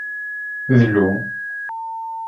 Dlu.